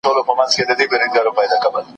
په سياست کي چټکي پريکړي کله کله زيانمنې وي.